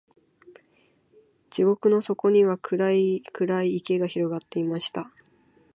地獄の底には、暗い暗い池が広がっていました。